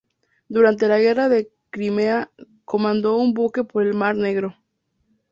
Durante la Guerra de Crimea comandó un buque por el Mar Negro.